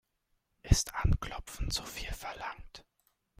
Ist anklopfen zu viel verlangt?